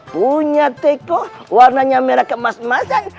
punya teko warnanya merah kemas emasan